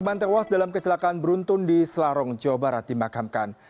korban tewas dalam kecelakaan beruntun di selarong jawa barat dimakamkan